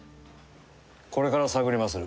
これから探りまする。